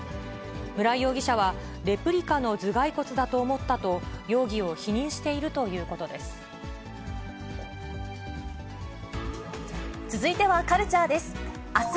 村井容疑者は、レプリカの頭蓋骨だと思ったと、容疑を否認しているということです。